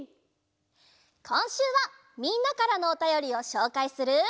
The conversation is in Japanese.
こんしゅうはみんなからのおたよりをしょうかいする。